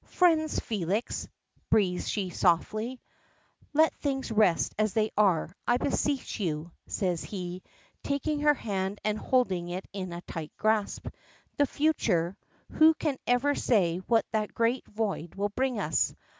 "Friends, Felix!" breathes she softly. "Let things rest as they are, I beseech you," says he, taking her hand and holding it in a tight grasp. "The future who can ever say what that great void will bring us.